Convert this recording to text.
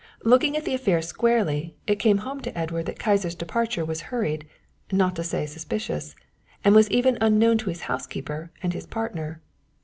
Looking at the affair squarely, it came home to Edward that Kyser's departure was hurried, not to say suspicious, and was even unknown to his housekeeper and his partner.